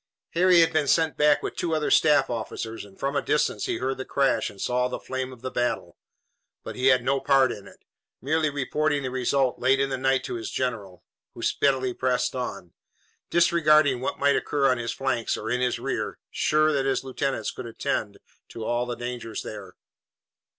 Harry had been sent back with two other staff officers, and from a distance he heard the crash and saw the flame of the battle. But he had no part in it, merely reporting the result late in the night to his general, who speedily pressed on, disregarding what might occur on his flanks or in his rear, sure that his lieutenants could attend to all dangers there.